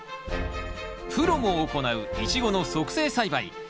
プロも行うイチゴの促成栽培。